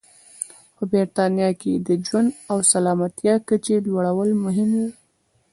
په برېټانیا کې د ژوند او سلامتیا کچې لوړول مهم و.